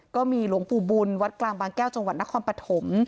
ก็มีหลวงปู่บุญวัดกลางบางแก้วจังหวัดนครปฐม